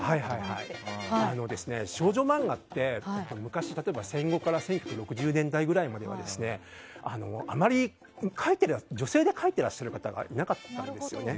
少女漫画って昔例えば、戦後から１９６０年代くらいまであまり女性で描いてらっしゃる方がいなかったんですね。